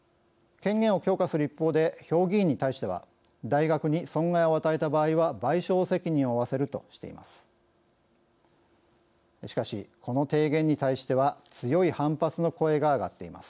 権限を強化する一方で評議員に対しては大学に損害を与えた場合は賠償責任を負わせるとしています。